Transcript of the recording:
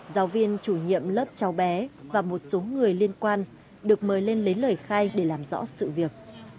giáo viên chủ nhiệm lớp cháu bé và một số người liên quan được mời lên lấy lời khai để làm rõ sự việc